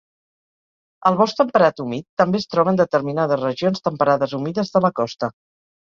El bosc temperat humit també es troba en determinades regions temperades humides de la costa.